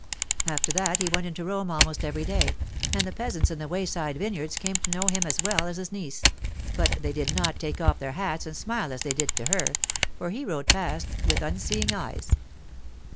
After that he went into Rome almost every day, and the peasants in the wayside vineyards came to know him as well as his niece; but they did not take off their hats and smile as they did to her, for he rode past with unseeing eyes.